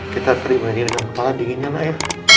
kita terima ini dengan kepala dingin ya pak